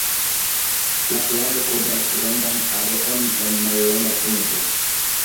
La planto kovras grandan areon en mallonga tempo.